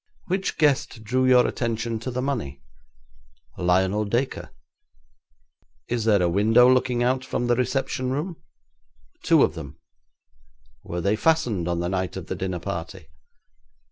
'Which guest drew your attention to the money?' 'Lionel Dacre.' 'Is there a window looking out from the reception room?' 'Two of them.' 'Were they fastened on the night of the dinner party?'